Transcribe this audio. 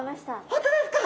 本当ですか？